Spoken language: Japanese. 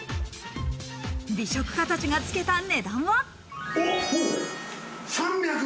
美食家たちがつけた値段は。